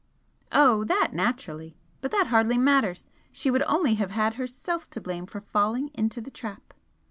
"Oh! That, naturally! But that hardly matters. She would only have had herself to blame for falling into the trap."